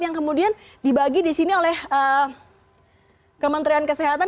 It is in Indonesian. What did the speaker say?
yang kemudian dibagi di sini oleh kementerian kesehatan